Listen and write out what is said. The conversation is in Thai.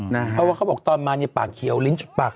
เพราะว่าเขาบอกตอนมาหลีกจุดปาก